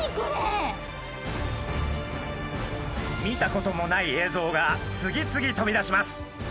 見たこともない映像が次々飛び出します。